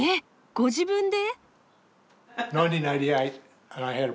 ご自分で！？